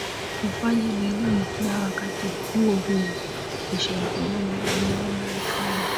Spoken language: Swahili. ufanya bidii na wakati uo huo kushauriana na raia wa marekani